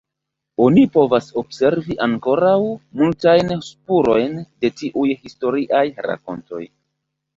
Oni povas observi ankoraŭ multajn spurojn de tiuj historiaj rakontoj.